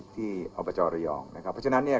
ที่อบจระยองนะครับเพราะฉะนั้นเนี่ย